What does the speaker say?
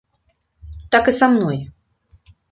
Так і са мной.